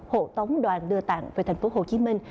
hộ tống đoàn đưa tặng về thành phố hồ chí minh